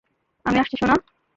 আমি আসছি সোনা।